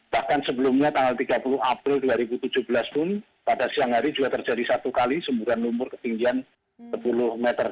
bahkan sebelumnya tanggal tiga puluh april dua ribu tujuh belas pun pada siang hari juga terjadi satu kali semburan lumpur ketinggian sepuluh meter